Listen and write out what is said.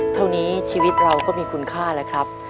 เท่านี้ชีวิตเราก็มีคุณค่าแล้วครับ